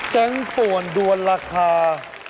แจ้งป่วนดวนราคา